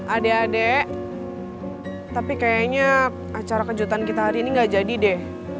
adik adik tapi kayaknya acara kejutan kita hari ini gak jadi deh